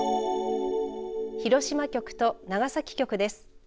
広島局と長崎局です。